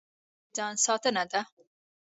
خوب د ځان ساتنه ده